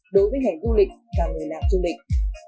đối với ngành du lịch và người làm du lịch